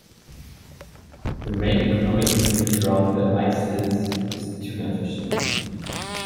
The main economic activity around the islets is tuna fishing.